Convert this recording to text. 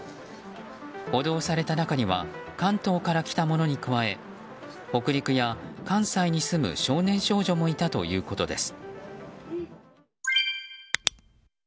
補導された中には関東から来た者に加え北陸や関西に住む少年少女もいたということです。